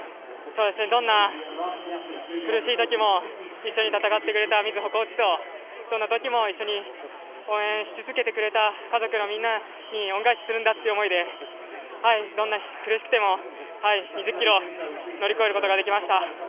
どんな苦しい時も一緒に戦ってくれた瑞穂コーチとどんな時も一緒に応援し続けてくれた家族のみんなに恩返しするんだって思いでどんなに苦しくても２０ｋｍ乗り越えることができました。